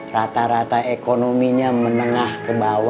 rata rata ekonominya menengah ke bawah